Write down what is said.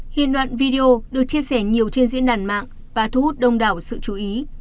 hiện đoạn video được chia sẻ nhiều trên diễn đàn mạng và thu hút đông đảo sự chú ý